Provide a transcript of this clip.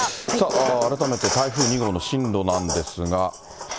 改めて台風２号の進路なんですが。